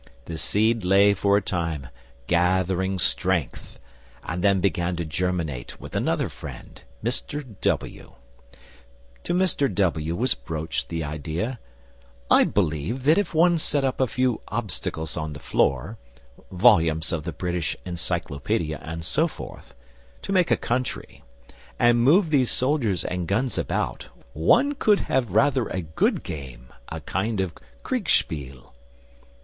The seed lay for a time gathering strength, and then began to germinate with another friend, Mr W. To Mr W. was broached the idea: "I believe that if one set up a few obstacles on the floor, volumes of the British Encyclopedia and so forth, to make a Country, and moved these soldiers and guns about, one could have rather a good game, a kind of kriegspiel."...